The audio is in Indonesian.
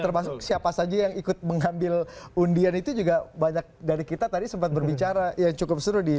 termasuk siapa saja yang ikut mengambil undian itu juga banyak dari kita tadi sempat berbicara yang cukup seru di